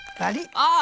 ああ！